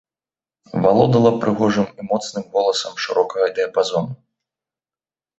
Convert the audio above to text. Валодала прыгожым і моцным голасам шырокага дыяпазону.